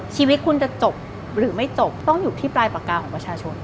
ชีวิตคุณจะจบหรือไม่จบต้องอยู่ที่ปลายปากกาของประชาชน